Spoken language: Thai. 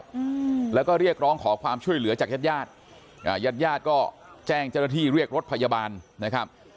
อืมแล้วก็เรียกร้องขอความช่วยเหลือจากญาติญาติอ่าญาติญาติก็แจ้งเจ้าหน้าที่เรียกรถพยาบาลนะครับ